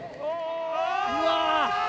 うわ！